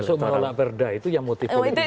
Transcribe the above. masuk menolak perda itu yang motif politik